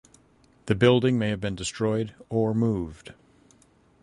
The building may have been destroyed or moved.